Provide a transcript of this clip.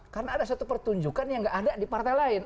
karena ada satu pertunjukan yang gak ada di partai lain